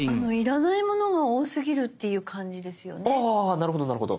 なるほどなるほど。